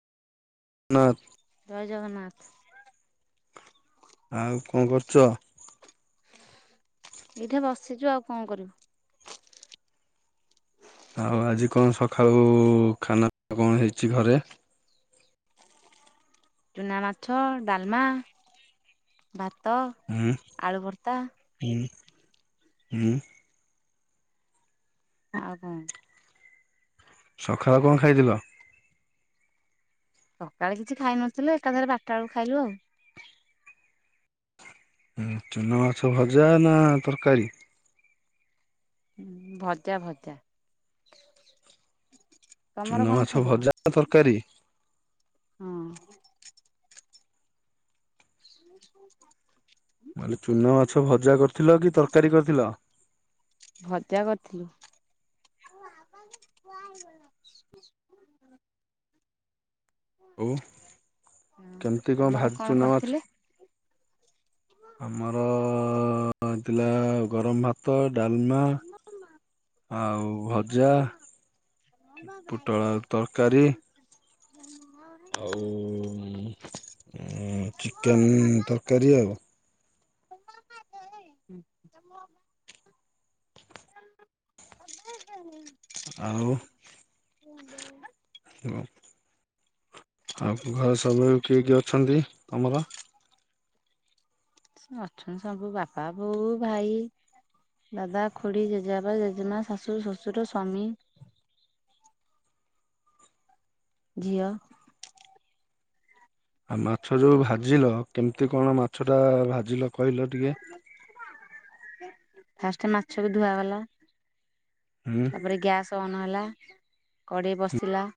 ନାଁ। ଜୟ ଜଗନ୍ନାଥ। ଆଉ କଣ କରୁଛ? ଏଇଠେ ବସିଚୁ ଆଉ କଣ କରିବୁ। ଆଉ ଆଜି କଣ ସଖାଳୁ ଖାନା ପିନା କଣ ହେଇଛି ଘରେ? ଚୁନାମାଛ ଡାଲମା ଭାତ ହୁଁ ଆଳୁଭର୍ତା। ହୁଁ ହୁଁ। ଆଉ‌ କଣ। ସଖାଳେ କଣ ଖାଇଥିଲ? ସକାଳେ କିଛି ଖାଇ ନଥିଲ ଏକା ଥରେ ବାଟା ବେଳକୁ ଖାଇଲୁ ଆଉ। ଚୁନା ମାଛ ଭଜା ନା ତରକାରୀ? ଉ ଭଜା ଭଜା। ତମର ଚୁନା କଣ ମାଛ ଖାଇଥିଲ? ଭଜା ନା ତରକାରୀ? ହଁ। [inaudible] ମୁଁ କହିଲି ଚୁନା ମାଛ ଭଜା କରିଥିଲ କି ତରକାରୀ କରିଥିଲ? ଭଜା କରିଥିଲି। [unintelligible] ହଉ କେମିତି କଣ ତମର ଭାଜ ଚୁନା ମାଛ? କରିଥିଲେ? ଆମର ହେଇଥିଲା ଗରମ ଭା ତ ଡାଲମା, ଆଉ ଭଜା। ପୋଟଳ ଆଳୁ ତରକାରୀ। [unintelligible] ଆଉ ଚିକେନ ତରକାରୀ ଆଉ। [unintelligible] [unintelligible] ଆଉ [unintelligible] [unintelligible] ଆଉ କୁହ ସବୁ କିଏ କିଏ ଅଛନ୍ତି ତମର? ଅଛନ୍ତି ସବୁ ବାପା, ବୋଉ, ଭାଇ ଦାଦା, ଖୁଡ଼ି ଜେଜେବାପା, ଜେଜେମା, ଶାଶୁ, ଶ୍ୱଶୁର, ସ୍ୱାମୀ ଝିଅ। ଆଉ ମାଛ ଯୋଉ ଭାଜିଲ କେମିତି କଣ ମାଛ ଟା ଭାଜିଲ? କହିଲ ଟିକେ ଫାଷ୍ଟ ମାଛ ବି ଧୁଆଗଲା। ହୁଁ। ତାପରେ ଗ୍ୟାସ୍ ଅନ୍ ହେଲା କଡ଼େଇ ବସିଲା।